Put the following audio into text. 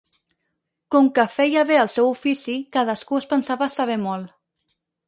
Com que feia bé el seu ofici, cadascú es pensava saber molt.